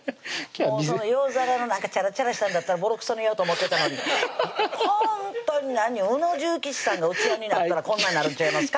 洋皿のチャラチャラしたんだったらボロクソに言おうと思ってたのにほんとに宇野重吉さんが器になったらこんなんになるんちゃいますか？